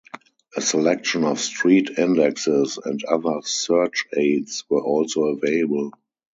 A selection of street indexes and other search aids were also available.